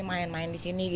main main di sini